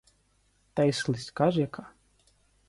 Та й слизька ж яка!